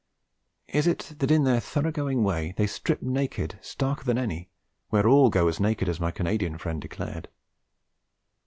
Is it that in their thoroughgoing way they strip starker than any, where all go as naked as my Canadian friend declared?